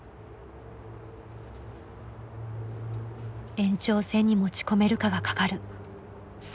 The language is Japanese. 延長戦に持ち込めるかがかかる最後の１本。